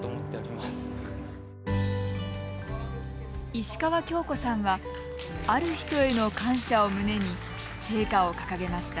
石川恭子さんはある人への感謝を胸に聖火を抱えました。